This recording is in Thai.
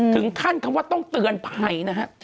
ถึงขั้นคำว่าต้องเตือนภัยนะฮะ